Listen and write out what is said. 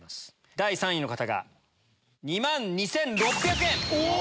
第３位の方が２万２６００円。